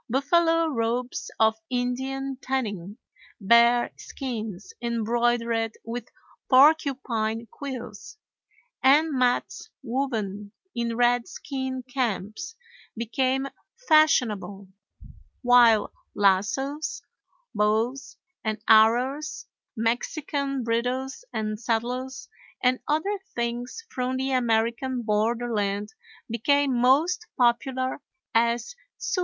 Buffalo robes of Indian tanning, bear skins embroidered with porcupine quills, and mats woven in redskin camps became fashionable; while lassos, bows and arrows, Mexican bridles and saddles, and other things from the American borderland became most popular as souvenirs.